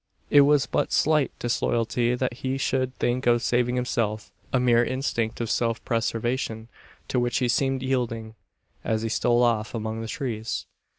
It was but slight disloyalty that he should think of saving himself a mere instinct of self preservation to which he seemed yielding, as he stole off among the trees.